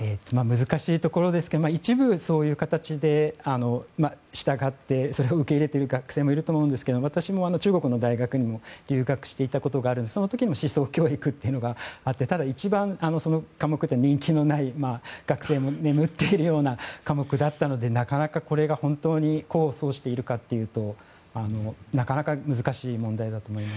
難しいところですけど一部、そういう形で従ってそれを受け入れている学生もいると思いますが私も中国の大学にも留学していたことがありその時も思想教育というのがあった科目は人気のない学生が眠っているような科目だったのでなかなか、これが本当に功を奏しているかというと難しい問題だと思います。